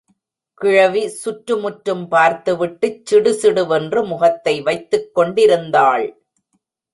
கிழவி சுற்று முற்றும் பார்த்துவிட்டுச் சிடுசிடு வென்று முகத்தை வைத்துக் கொண்டிருந்தாள்.